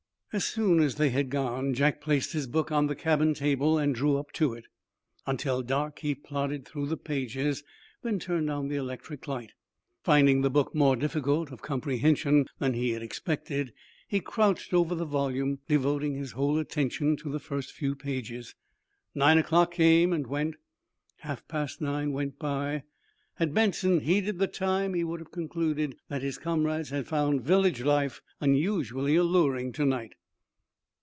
As soon as they had gone, Jack placed his book on the cabin table and drew up to it. Until dark he plodded through the pages, then turned on the electric light. Finding the book more difficult of comprehension than he had expected, he crouched over the volume, devoting his whole attention to the first few pages. Nine o'clock came and went. Half past nine went by. Had Benson heeded the time he would have concluded that his comrades had found village life unusually alluring to night.